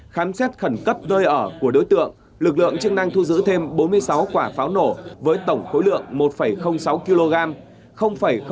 khám xét khẩn cấp nơi ở của đối tượng lực lượng chức năng thu giữ thêm bốn mươi sáu quả pháo nổ với tổng khối lượng một sáu kg